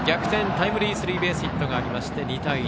タイムリースリーベースヒットがあって２対１。